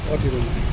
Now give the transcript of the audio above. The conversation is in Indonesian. oh di rumah